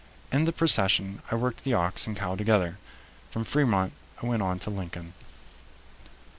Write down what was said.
In the procession I worked the ox and cow together. From Fremont I went on to Lincoln.